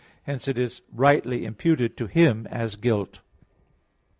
Hence it is rightly imputed to him as guilt.